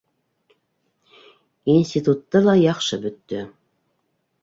Институтты ла яҡшы бөттө.